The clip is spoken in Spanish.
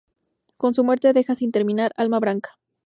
Con su muerte, deja sin terminar "Alma Branca".